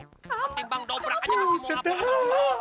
ketimbang dobrakannya masih mau ngapain sama lo